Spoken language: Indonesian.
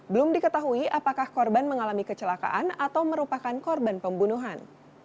belum diketahui apakah korban mengalami kecelakaan atau merupakan korban pembunuhan